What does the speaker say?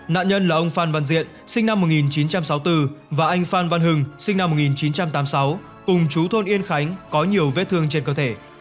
nạn nhân là ông phan văn diện sinh năm một nghìn chín trăm sáu mươi bốn và anh phan văn hưng sinh năm một nghìn chín trăm tám mươi sáu cùng chú thôn yên khánh có nhiều vết thương trên cơ thể